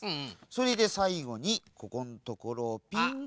それでさいごにここんところをピンと。